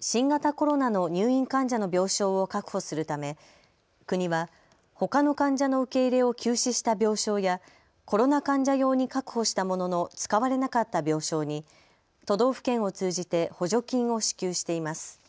新型コロナの入院患者の病床を確保するため、国はほかの患者の受け入れを休止した病床やコロナ患者用に確保したものの使われなかった病床に都道府県を通じて補助金を支給しています。